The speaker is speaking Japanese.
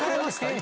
今。